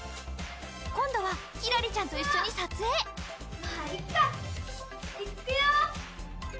今度はキラリちゃんと一緒に撮影まあいっかいっくよ！